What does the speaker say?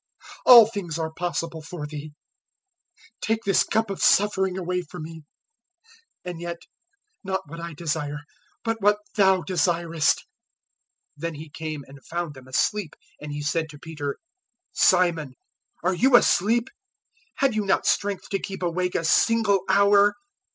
all things are possible for Thee: take this cup of suffering away from me: and yet not what I desire, but what Thou desirest." 014:037 Then He came and found them asleep, and He said to Peter, "Simon, are you asleep? Had you not strength to keep awake a single hour?